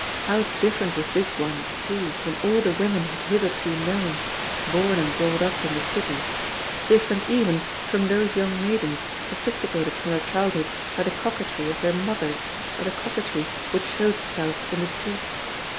How different was this one, too, from all the women he had hitherto known, born and brought up in the city, different even from those young maidens sophisticated from their childhood by the coquetry of their mothers or the coquetry which shows itself in the streets.